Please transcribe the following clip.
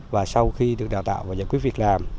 và sau khi được xác định đối tượng đào tạo và giải quyết việc làm